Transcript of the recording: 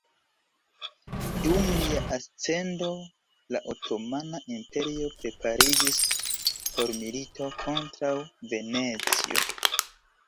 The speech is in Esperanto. Dum lia ascendo, la Otomana Imperio prepariĝis por milito kontraŭ Venecio.